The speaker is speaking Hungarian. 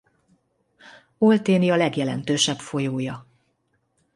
Olténia legjelentősebb folyója.